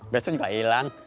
besok juga hilang